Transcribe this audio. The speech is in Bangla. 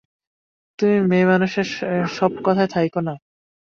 তুমি মেয়েমানুষ এ-সব কথায় থাকিয়ো না।